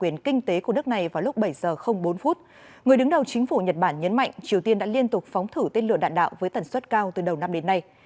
người đứng đầu chính phủ nhật bản nhấn mạnh triều tiên đã liên tục phóng thử tên lửa đạn đạo với tần suất cao từ đầu năm đến nay